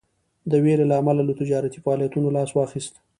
د ویرې له امله له تجارتي فعالیتونو لاس واخیست.